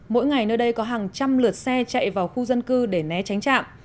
mỗi ngày nơi đây có hàng trăm lượt xe chạy vào khu dân cư để né tránh trạm